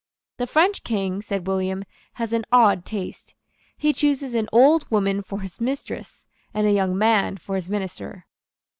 "The French King," said William, "has an odd taste. He chooses an old woman for his mistress, and a young man for his minister."